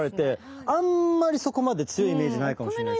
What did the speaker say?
あんまりそこまで強いイメージないかもしれないです。